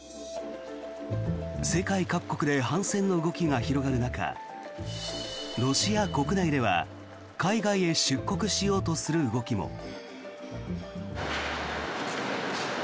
世界各国で反戦の動きが広がる中ロシア国内では海外へ出国しようとする動きも。